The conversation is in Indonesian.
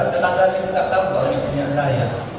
tetangga saya tidak tahu bahwa ini punya saya